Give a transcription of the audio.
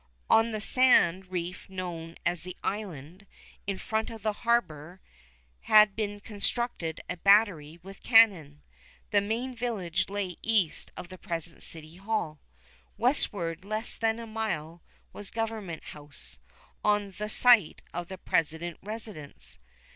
On the sand reef known as the Island, in front of the harbor, had been constructed a battery with cannon. The main village lay east of the present city hall. Westward less than a mile was Government House, on the site of the present residence.